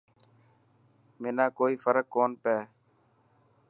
منا ڪوئي فرڪ ڪون پيي.